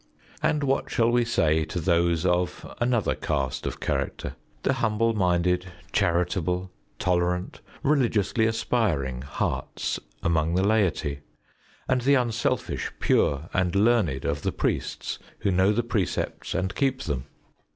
And what shall we say to those of another caste of character the humble minded, charitable, tolerant, religiously aspiring hearts among the laity, and the unselfish, pure and learned of the priests who know the Precepts and keep them?